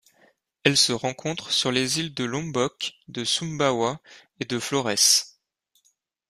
Elle se rencontre sur les îles de Lombok, de Sumbawa et de Florès.